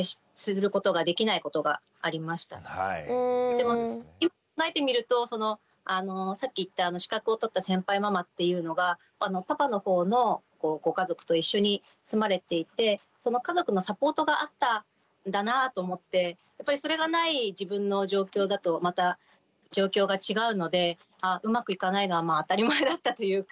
でもよく考えてみるとそのさっき言った資格を取った先輩ママっていうのがパパのほうのご家族と一緒に住まれていてその家族のサポートがあったんだなと思ってやっぱりそれがない自分の状況だとまた状況が違うのでうまくいかないのはまあ当たり前だったというか。